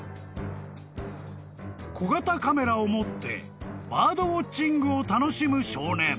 ［小型カメラを持ってバードウオッチングを楽しむ少年］